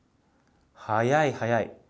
速い、速い。